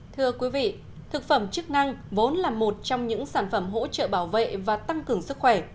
thưa quý vị thực phẩm chức năng vốn là một trong những sản phẩm hỗ trợ bảo vệ và tăng cường sức khỏe